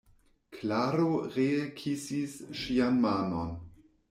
Klaro ree kisis ŝian manon.